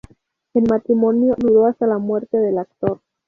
El matrimonio duró hasta la muerte del actor.